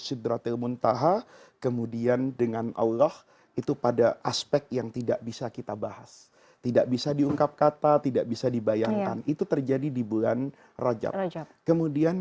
itu kalau dalam keadaan kita itu berarti